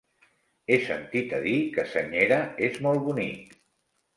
He sentit a dir que Senyera és molt bonic.